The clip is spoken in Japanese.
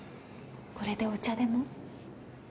これでお茶でも。